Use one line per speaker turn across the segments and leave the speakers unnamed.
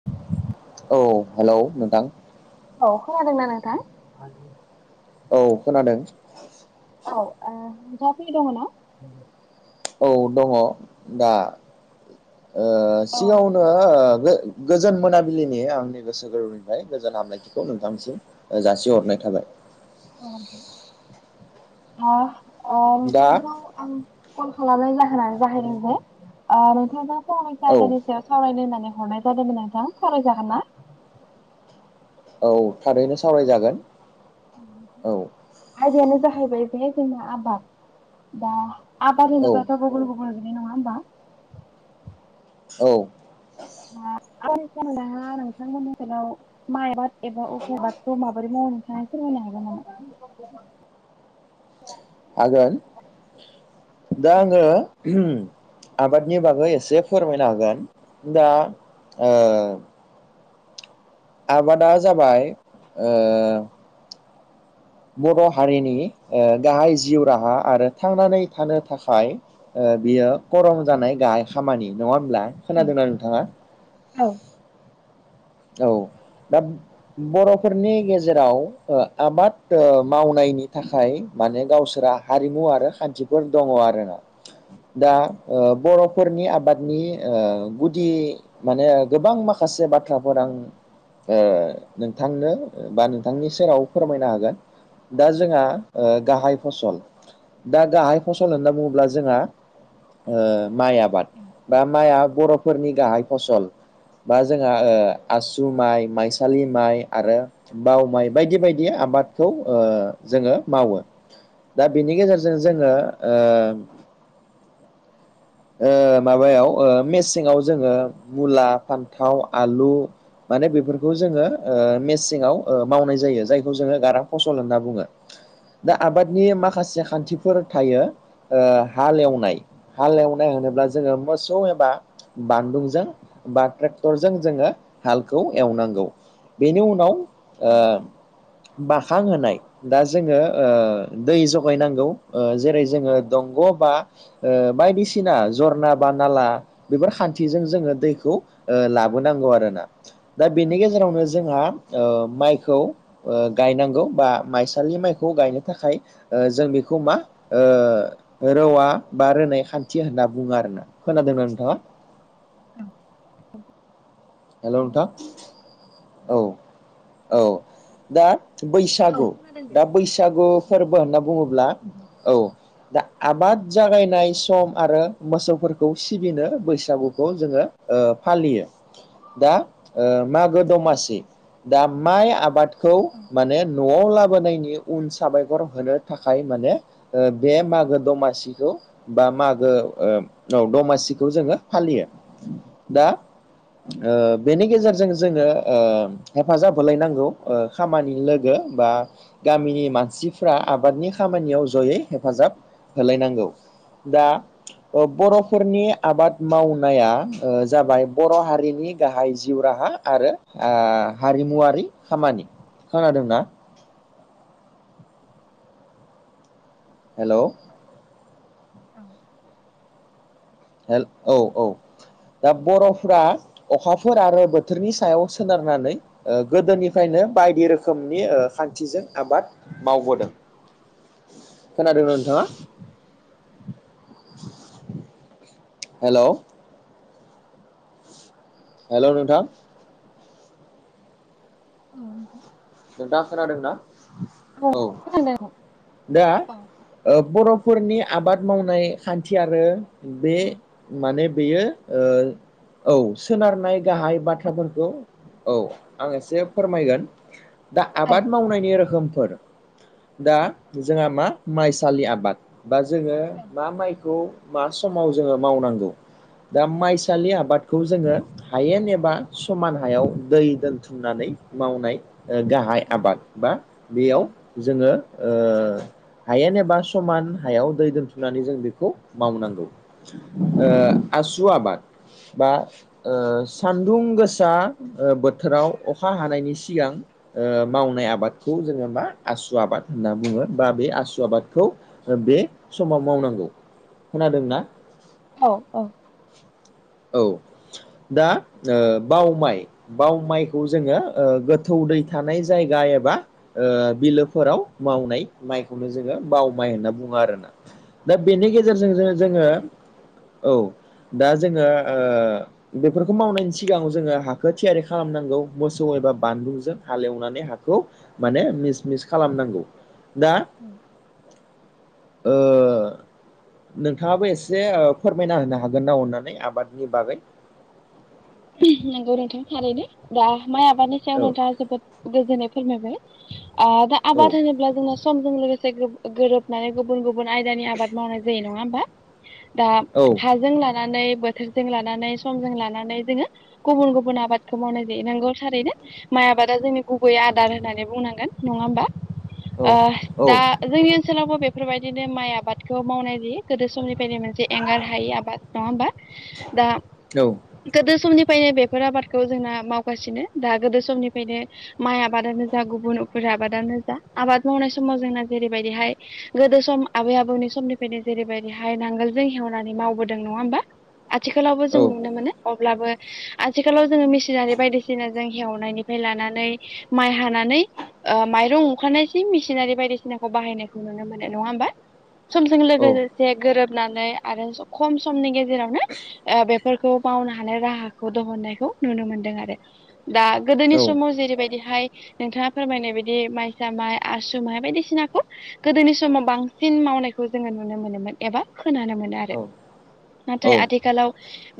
[inaudible]
औ हेलौ नोंथां
औ खोनादोंना नोंथां
औ खोनादों
औ ओ नोंथांआ फ्रि दङो ना?
औ दङ दा ओ
औ
सिगाङावनो
नोंथां
ओ गोजोन मोनाबिलिनि आंनि गोसो गोरबोनिफ्राय गोजोन हामलायथिखौ नोंथांसिम ओ जासिहरनाय थाबाय
ओ
दा
नोंथांखौ आं कल खालामनाय जाहोनानो जाहैबाय ओ नोंथांजों फंनैसो
औ
आयदानि सायाव सावरायनो होननानै हरनाय जादोंमोन आरो ना सावरायजागोन ना
औ थारैनो सावरायजागोन औ
आयदायानो जाहैबाय बे जोंना आबाद दा आबाद
औ
होनोब्लाथ' गुबुन गुबुन इदि नङा होमबा
औ
[unintelligible] माइ आबाद एबा अख्राबादखौ माबोरै मावो नोंथांआ फोरमायनो हागोन नामा
हागोन दा आङो ओ आबादनि बागै एसे फोरमायनो हागोन दा ओ आबादा जाबाय ओ बर' हारिनि ओ गाहाय जिउ राहा आरो थांनानै थानो थाखाय ओ बियो खरं जानाय गाहाय खामानि नङा होमब्ला खोनादोंना नोंथाङा
औ
औ दा बर'फोरनि गेजेराव ओ आबाद ओ मावनायनि थाखाय माने गावसोरा हारिमु आरो खान्थिफोर दङ आरोना दा ओ बर'फोरनि आबादनि ओ गुदि माने गोबां माखासे बाथ्राफोर आं ओ नोंथांनो बा नोंथांनि सेराव फोरमायनो हागोन दा जोंहा ओ गाहाय फसल दा गाहाय फसल होनना बुङोब्ला जोंहा ओ माइ आबाद
औ
बा माइआ बर'फोरनि गाहाय फसल बा जों ओ आसु माइ माइसालि माइ आरो बाव माइ बायदि बायदि आबादखौ ओ जोङो मावो दा बिनि गेजेरजों जोङो ओ ओ माबायाव मेसेंआव जोङो मुला फान्थाव आलु माने बेफोरखौ जोङो ओ मेसेंआव मावनाय जायो जायखौ जोङो गारां फसल होनना बुङो दा आबादनि माखासे खान्थि फोर थायो ओ हाल एवनाय हाल एवनाय होनोब्ला जोङो मोसौ एबा बानदुंजों बा ट्रेक्टरजों जोङो हालखौ एवनांगौ बेनि उनाव ओ बाखां होनाय दा जोङो ओ दै जगायनांगौ ओ जेरै जोङो दंग' बा ओ बायदिसिना जरना बा नाला बेफोर खान्थिजों जोङो दैखौ लाबोनांगौ आरोना दा
औ
बेनि गेजेरावनो जोंहा ओ माइखौ ओ गायनांगौ बा माइसालि माइखौ गायनो थाखाय ओ जों बेखौ मा ओ रौवा बा रोनाय खान्थि थि होनना बुङो आरोना खोनादोंना नोंथाङा
औ
हेल'
खोनादों
नोंथां औ औ दा
औ
बैसागु
खोनादों दे
दा बैसागु फोरबो होनना बुङोब्ला औ दा आबाद जागायनाय सम आरो मोसौफोरखौ सिबिनो बैसागुखौ जोङो ओ फालियो दा ओ मागो दमासि दा माइ आबादखौ
औ
माने न'आव लाबोनायनि उन साबायखर होनो थाखाय माने ओ बे मागो दमासिखौ बा मागो औ दमासिखौ जोङो फालियो दा ओ बेनि गेजेरजों जोङो ओ हेफाजाब होलायनांगौ ओ खामानि लोगो बा गामिनि मानसिफ्रा आबादनि खामानियाव जयै हेफाजाब होलायनांगौ। दा बर'फोरनि आबाद मावनाया जाबाय बर' हारिनि गाहाय जिउ राहा आरो ओ हारिमुवारि खामानि खोनादोंना? हेल'?
[inaudible]
हेल औ औ, दा बर'फोरा अखाफोर आरो बोथोरनि सायाव सोनारनानै ओ गोदोनिफ्रायनो बायदि रोखोमनि ओ खान्थिजों आबाद मावबोदों। खोनादोंमोन नोंथाङा? हेल' हेल्ल' नोंथां
औ
नोंथां दा खोनादोंना औ दा
नोंथां
ओ बर'फोरनि आबाद मावनाय खान्थि आरो बे
औ औ
माने बेयो ओ औ सोनारनाय गाहाइ बाथ्राफोरखौ औ आं एसे फोरमायगोन दा
औ
आबाद मावनायनि रोखोमफोर। दा जोंहा मा माइसालि आबाद बा जोङो
औ
मा माइखौ मा समाव जोङो मावनांगौ दा माइसालि आबादखौ जोङो हायेन एबा समान हायाव दै दोनथुमनानै मावनाय ओ गाहाइ आबाद बा बेयाव जोङो ओ हायेन एबा समान हायाव दै दोनथुमनानै जों बेखौ मावनांगौ। ओ
औ
आसु आबाद बा ओ सान्दुं गोसा ओ बोथोराव अखा हानायनि सिगां ओ मावनाय आबादखौ जोङो मा आसु आबाद होनना बुङो बा बे आसु आबादखौ बे समाव मावनांगौ। खोनादोंना?
औ औ
औ दा ओ बाव माइ, बाव माइखौ जोङो गोथौ दै थानाय जायगा एबा ओ बिलोफोराव मावनाय माइखौनो जोङो बाव माइ होनना बुङो आरोना। दा बेनि
औ
गेजेरजों जो जोङो, औ दा जोङो ओ बेफोरखौ मावनायनि सिगाङाव जोङो हाखो थियारि खालामनांगौ मोसौ एबा बानलुजों हालेवनानै हाखौ माने मिस मिस खालामनांगौ। दा
उम
ओ नोंथाङाबो एसे ओ फोरमायना होनो हागोन ना अननानै, आबादनि बागै?
नंगौ नोंथां थारैनो, दा माइ आबादनि सायाव
औ
नोंथाङा जोबोद गोजोननाय फोरमायबाय। ओ दा
औ
आबाद होनोब्ला जोंना समजों लोगोसे गोरोब नानै गुबुन गुबुन आयदानि आबाद मावनाय जायो नङा होमबा? दा
औ।
हाजों लानानै, बोथोरजों लानानै, समजों लानानै जोङो गुबुन गुबुन आबादखौ मावनाय जायो, नोंगौ थारैनो माइ आबादा जोंनि गुबैयै आदार होननानै बुंनांगोन नङा होमबा?
औ
ओ
औ
दा जोंनि ओनसोलावबो बेफोरबायदिनो माइ आबादखौ मावनाय जायो, गोदो समनिफ्रायनो मोनसे एंगार हायि आबाद। नङा होमबा? दा
औ
गोदो समनि फायनो बेफोर आबादखौ जोंना मावगासिनो, दा गोदो समनिफ्रायनो माइ आबादानो जा गुबुनफोर आबादानो जा आबाद मावनाय समाव जोंना जेरैबायदिहाय गोदो सम आबै आबौनि समनिफ्रायनो जेरैबायदिहाय नांगोलजों हेवनानै मावबोदों, नङा होमबा? आथिखालावबो
औ
जोङो नुनो मोनो, अब्लाबो आथिखालाव जोङो मेसिनारि बायदिसिना जों हेवनायनिफ्राय लानानै माइ हानानै ओ माइरं ओंखारनायसिम मेसिनारि बायदिसिनाखौ बाहायनायखौ नुनो मोनो, नङा होमबा? समजों लोगोसे गोरोबनानै आरो खम समनि गेजेरावनो ओ बेफोर खौ मावनो हानाय राहाखौ दिहुन्नायखौ नुनो मोनदों आरो। दा गोदोनि समाव जेरैबायदिहाय नोंथाङा फोरमायनाय बादि माइसा माइ, आसु माइ बायदिसिनाखौ गोदोनि समाव बांसिन मावनायखौ जोङो नुनो मोनोमोन एबा खोनानो मोन आरो नाथाय आथिखालाव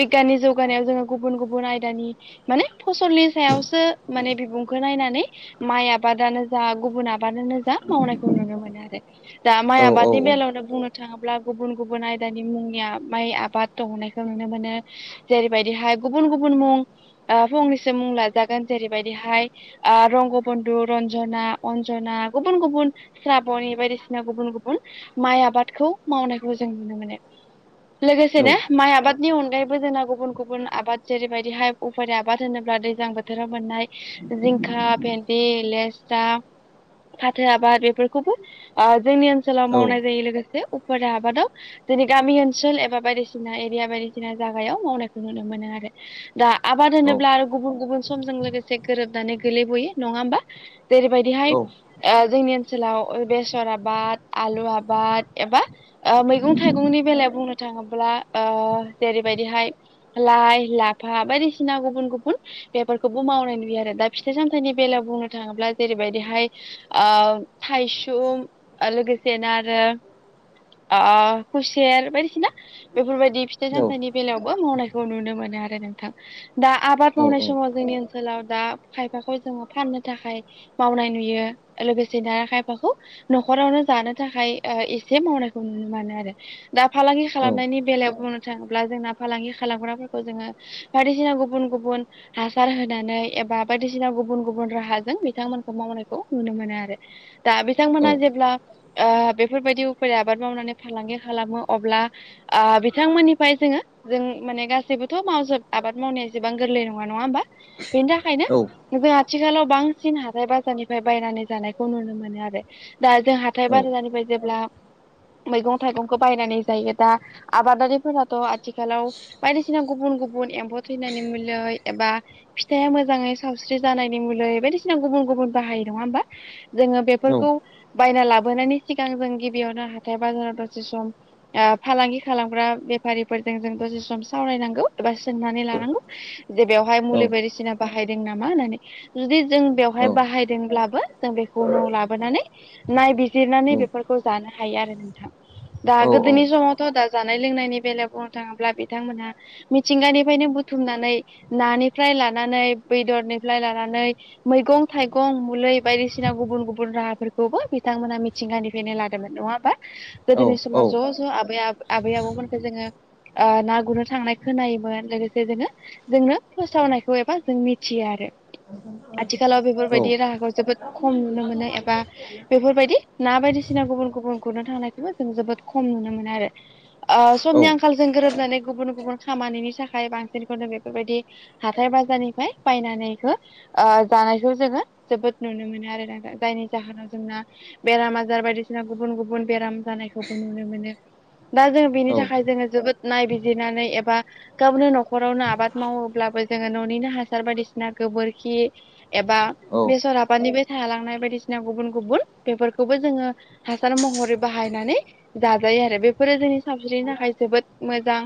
बिगियाननि जौगानायाव जोङो गुबुन गुबुन आयदानि माने फसलनि सायावसो माने बिबुंखौ नायनानै माइ आबादानो जा गुबुन आबादानो दा मावनायखौ नुनो मोनो आरो दा माइ आबादनि बेलायावनो बुंनो थाङोब्ला गुबुन गुबुन आयदानि मुंनि माइ आबाद दिहुन्नायखौ नुनो मोनो। जेरैबायदिहाय गुबुन गुबुन मुं ओ फंनैसो मुं लाजागोन जेरैबायदिहाय ओ रंगबन्धु, रन्जना, अन्जना गुबुन गुबुन स्राबनि बायदिसिना गुबुन गुबुन माइ आबादखौ मावनायखौ जों नुनो मोनो। लोगोसेनो माइ आबादनि अनगायैबो जोंना गुबुन गुबुन आबाद जेरैबायदिहाय उफारि आबाद होनोब्ला दैज्लां बोथोराव मोननाय जिंखा भेन्दि लेस्रा फाथो आबाद बेफोरखौबो ओ जोंनि ओन सोलाव मावनाय जायो लोगोसे उफारि आबादाव दिनै गामि ओनसोल एबा बायदिसिना एरिया बायदिसिना जागायाव मावनायखौ नुनो मोनो आरो दा आबाद होनोब्ला आरो गुबुन गुबुन समजों लोगोसे गोरोबनानै गोलैबयो नङा होमबा जेरैबायदिहाय ओ जोंनि ओनसोलाव बेसर आबाद आलु आबाद एबा ओ मैगं थाइगंनि बेलायाव बुंनो थाङोब्ला ओ जेरैबायदिहाय लाइ लाफा बायदिसिना गुबुन गुबुन बेफोरखौबो मावनाय नुयो आरो दा फिथाइ सामथाइनि बेलायाव बुंनो थाङोब्ला जेरैबायदिहाय ओ थायसुम लोगोसेनो आरो ओ खुसेर बायदिसिना बेफोरबायदि फिथाइ सामथाइनि बेलायावबो मावनायखौ नुनो मोनो आरो नोंथां दा आबाद मावनाय समाव जोंनि ओ सोलाव दा खायफाखौ जोङो फाननो थाखाय मावनाय नुयो लोगोसे दा खायफाखौ न'खरावनो जानो थाखाय ओ एसे मावनायखौ नुनो मोनो आरो। दा फालांगि खालामनायनि बेलायाव बुंनो थाङोब्ला जोंना फालांगि खालामग्राफोरखौ जोङो बायदिसिना गुबुन गुबुन हासार होनानै एबा बायदिसिना गुबुन गुबुन राहाजों बिथांमोनखौ मावनायखौ नुनो मोनो आरो। दा बिथांमोना जेब्ला बेफोरबायदि उफाय आबाद मावनानै फालांगि खालामो अब्ला ओ बिथांमोननिफ्राय जोङो जों माने गासैबोथ' माव जोब आबाद मावनाया जसेबां गोरलै नङा नङा होमबा बेनि थाखायनो जों आथिखालाव बांसिन हाथाय बाजारनिफ्राय बायनानै जानायखौ नुनो मोनो आरो। दा जों हाथाय बार जानिफ्राय जेब्ला मैगं थाइगंखौ बायनानै जायो दा आबादारिफोरााथ' आजखाालाव बायदिसिना गुबुन गु बुन एम्फौ थैनायनि मुलै एबा फिथाइआ मोजाङै सावस्रि जानायनि मुलै बायदिसिना गुबुन गुबुन बाहायो नङा होमबा जोङो बेफोरखौ बायना लाबोनायनि सिगां जों गिबियावनो हाथाय बाजाराव दसे सम ओ फालांगि खालामग्रा बेफारिफोरजों जों दसे सम सावरायनांगौ एबा सोंनानै लानांगौ जे बेवहाय मुलि बायदिसिना बाहायदों नामा होननानै जुदि जों बेवहाय बाहायदोंब्लाबो जों बेखौ न' लाबोनानै नायबि जिरनानै बेफोरखौ जानो हायो आरो नोंथां। दा गोदोनि समावथ' दा जानाय लोंनायनि बेलायाव बुंनो थाङोब्ला बिथांमोनहा मिथिंगानिफ्रायनो बुथुमनानै नानिफ्राय लानानै बेदरनिफ्राय लानानै मैगं थाइगं मलै बायदिसिना गुबुन गुबुन राहाफोरखौबो बिथांमोना मि थिंगानिफ्रायनो लादोंमोन नङा होमाबा गोदोनि
औ औ
समाव ज' ज' आबै आबै आबौमोनखौ जोङो ना गुरनो थांनाय खोनायोमोन लोगोसे जोङो जोंनो फोसावनायखौ एबा जों मिथियो आरो। आथिखालाव बेफोरबायदि राहाखौ जोबोद खम नुनो मोनो एबा बेफोरबायदि ना बायदिसिना गुबुन गुबुन गुरनो थांनायखौबो जों जोबोद खम नुनो मोनो आरो समनि आंखाल जों गोरोबनानै गुबुन गुबुन खामानिनि थाखाय बांसिनखौनो बेफोरबायदि हाथाय बाजारनिफ्राय बायनानै इखो ओ जानायखौ जोङो जोबोद नुनो मोनो आरोना जायनि जाहोनाव जोंना बेराम आजार बायदिसिना गुबुन गुबुन बेराम जानायखौबो नुनो मोनो दा जोङो बिनि थाखाय जोङो जोबोद नायबिजिरनानै एबा गावनो न'खरावनो आबाद मावोब्लाबो जोङो न'निनो हासार बायदिसिना गोबोरखि एबा बेसर आबादनिबो थालांनाय बायदिसिना गुबुन गुबुन बेफोरखौबो जोङो हासार महरै बाहायनानै जाजायो आरो बेफोरो जोंनि सावस्रिनि थाखाय जोबोद मोजां।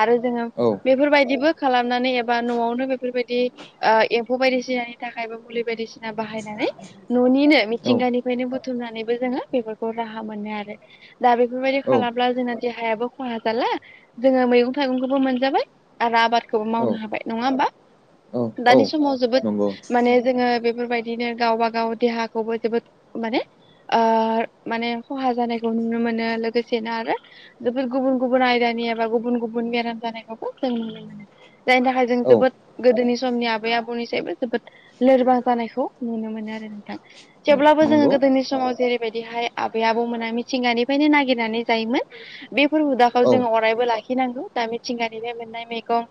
आरो जोङो बेफोरबायदिबो खालामनानै एबा न'आवनो बेफोरबायदि ओ एम्फौ बायदिसिनानि थाखाय बा मुलि बायदिसिना बाहायनानै ननिनो मिथिंगानिफ्रायनो बुथुमनानैबो जोङो बेफोरखौ राहा मोनो आरो दा बेफोरबायदि खालामब्ला जोंना देहायाबो खहा जाला जोङो मैगं थाइगंखौबो मोनजाबाय आरो आबादखौबो मावनो हाबाय नङा होमबा? दानि समाव जोबोद
नंगौ
माने जोङो बेफोरबायदिनो गावबा गाव देहाखौबो जोबोद माने ओ माने खहा जानायखौ नुनो मोनो लोगोसेनो आरो बेफोर गुबुन गुबुन आयदानि एबा गुबुन गुबुन गुबुन बेराम जानायखौबो जों नुनो मोनो जायनि थाखाय जों
औ
जोबोद गोदोनि समनि आबै आबौनिसायबो जोबोद लोरबां जानायखौ नुनो मोनो आरो नोंथां जेब्लाबो जोङो
नंगौ
गोदोनि समाव जेरैबायदिहाय आबै आबौमोना मिथिंगानिफ्रायनो नागिरनानै जायोमोन बेफोर हुदाखौ
औ औ
जोंङ अरायबो लाखिनांगौ दा मिथिंगानिफ्राय मोननाय मैगं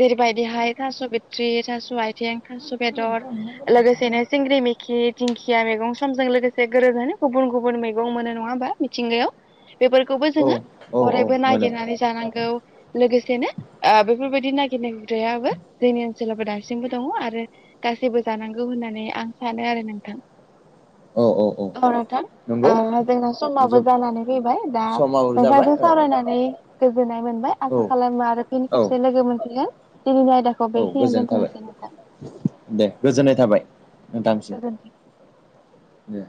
जेरैबायदिहाय थास बिथत्रि थास आथिं थास‌ बेदर लोगोसेनो सिंग्रि मेखि दिंखिया मैगं समजों लोगोसे गोरो गुबुन गुबुन मैगं मोनो नङा होमबा? मिथिंगायाव बेफोरखौबो
औ
जोङो अरायबो
मोनो
नागिरनानै जानांगौ लोगोसेनो ओ बेफोरबायदि नागिरनाय हुदायाबो जोंनि ओनसोलावबो दासिमबो दङ आरो गासैबो जानांगौ होननानै आं सानो आरो नोंथां
औ औ औ नंगौ
ओ जोंना समाबो
जोब
जानानै फैबाय दा
समाबो जाबाय
नोंथांजों सावरायनानै गोजोननाय मोनबाय
ओ
आसा खालामो आरो बेनि
औ
खेबसे लोगो मोनसिगोन दिनैनि आयदा
औ गोजोननाय थाबाय दे गोजोननाय थाबाय नोंथांसिम
गोजोन्थों।
दे